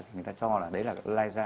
thì người ta cho là đấy là lại ra